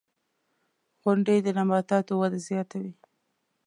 • غونډۍ د نباتاتو وده زیاتوي.